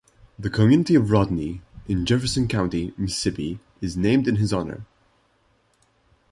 The community of Rodney, in Jefferson County, Mississippi is named in his honor.